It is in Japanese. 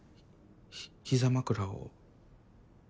ひ膝枕を。